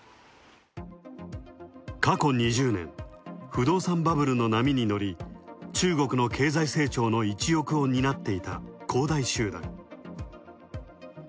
過去２０年不動産バブルの波に乗り、中国の経済成長の一翼を担っていた恒大集団。